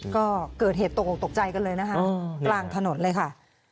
ก็เกิดเหตุตกออกตกใจกันเลยนะคะกลางถนนเลยค่ะ